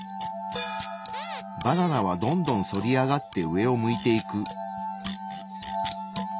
バナナはどんどん反り上がって上を向いていく。